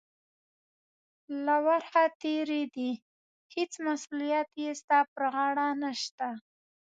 له ورخه تېرې دي، هېڅ مسؤلیت یې ستا پر غاړه نشته.